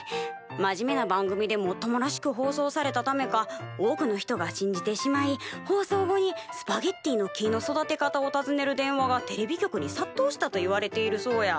真面目な番組でもっともらしく放送されたためか多くの人が信じてしまい放送後にスパゲッティの木の育て方をたずねる電話がテレビ局にさっとうしたといわれているそうや。